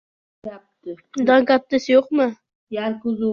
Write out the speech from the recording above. — Undan kattasi yo‘qmi?